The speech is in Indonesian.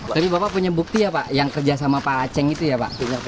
tapi bapak punya bukti ya pak yang kerja sama pak aceh itu ya pak